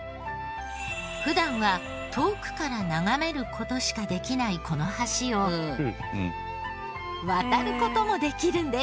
普段は遠くから眺める事しかできないこの橋を渡る事もできるんです。